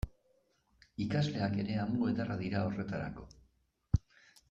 Ikasleak ere amu ederra dira horretarako.